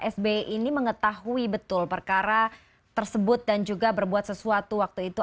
sbi ini mengetahui betul perkara tersebut dan juga berbuat sesuatu waktu itu